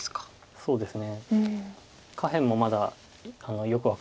そうですね。